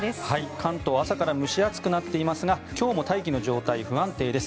関東は朝から蒸し暑くなっていますが今日も大気の状態、不安定です。